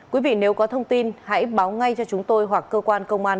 quý vị nếu có thông tin hãy báo ngay cho chúng tôi hoặc cơ quan công an